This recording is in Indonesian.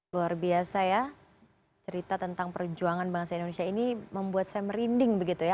luar biasa ya cerita tentang perjuangan bangsa indonesia ini membuat saya merinding begitu ya